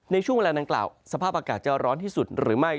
ในช่วงเวลาดังกล่าวสภาพอากาศจะร้อนที่สุดหรือไม่